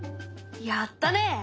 やったね！